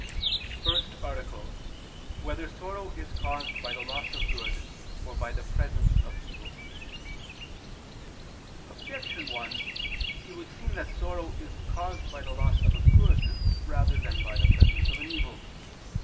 ________________________ FIRST ARTICLE [I II, Q. 36, Art. 1] Whether Sorrow Is Caused by the Loss of Good or by the Presence of Evil? Objection 1: It would seem that sorrow is caused by the loss of a good rather than by the presence of an evil.